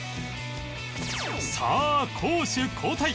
さあ攻守交代